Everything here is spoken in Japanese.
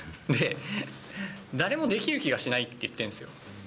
で、誰もできる気がしないって言ってるんですよ。